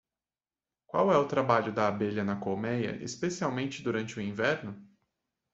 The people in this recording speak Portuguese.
Qual é o trabalho da abelha na colméia, especialmente durante o inverno?